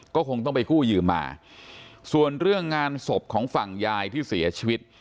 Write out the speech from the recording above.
ก็คงต้องไปกู้ยืมมาส่วนเรื่องงานศพของฝั่งยายที่เสียชีวิต